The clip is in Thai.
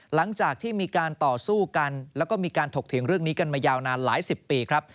หลังจากที่มีการต่อสู้กันแล้วก็มีการถกเถียงเรื่องนี้กันมายาวนานหลายสิบปีครับ